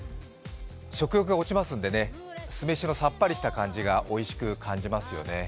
食欲が落ちますので酢飯のさっぱりした感じがおいしく感じますよね。